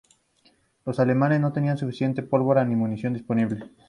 Los alemanes no tenían suficiente pólvora ni munición disponibles.